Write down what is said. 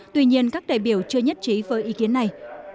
tuy nhiên các đại biểu chưa nhất trí với ý kiến này